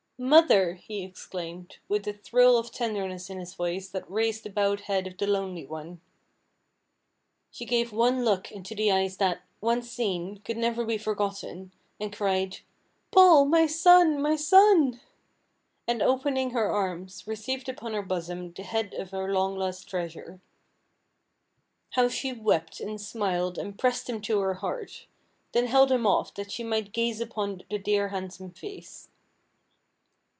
"Mother!" he exclaimed, with a thrill of tenderness in his voice that raised the bowed head of the lonely one. She gave one look into the eyes that, once seen, could never be forgotten, and cried, "Paul! my son, my son!" and opening her arms, received upon her bosom the head of her long lost treasure. How she wept, and smiled, and pressed him to her heart; then held him off, that she might gaze upon the dear handsome face.